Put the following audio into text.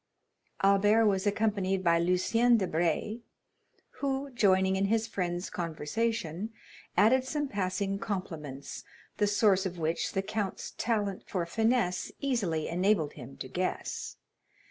Albert was accompanied by Lucien Debray, who, joining in his friend's conversation, added some passing compliments, the source of which the count's talent for finesse easily enabled him to guess.